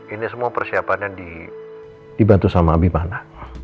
ini semua persiapannya dibantu sama abimana